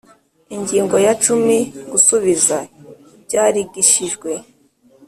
Ingingo ya cumi Gusubiza ibyarigishijwe